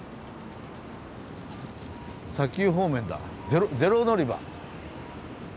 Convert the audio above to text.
砂丘方面だ０乗り場。